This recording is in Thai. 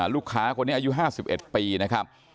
ลูกค้าคนนี้อายุ๕๑ปีนะครับ